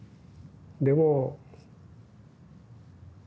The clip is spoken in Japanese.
でも。